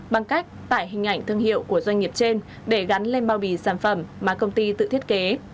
bằng cách tải hình ảnh thương hiệu của doanh nghiệp trên để gắn lên bao bì sản phẩm mà công ty tự thiết kế